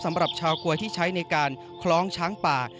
สำหรับชาวกลวยที่ใช้ในการคล้องช้างป่า